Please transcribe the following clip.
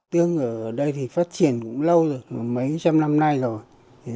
tương ở đây thì phát triển cũng lâu rồi mấy trăm năm nay rồi